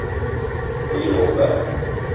Me ye wo ba